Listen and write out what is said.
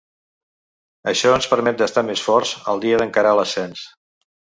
Això ens permet d’estar més forts el dia d’encarar l’ascens.